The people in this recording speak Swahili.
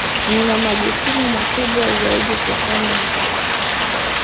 Nina majukumu makubwa zaidi kufanya zaidi